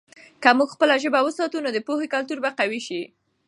که موږ خپله ژبه وساتو، نو د پوهې کلتور به قوي سي.